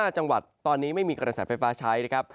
๕จังหวัดตอนนี้ไม่มีกระแสไฟฟ้าใช้นะครับ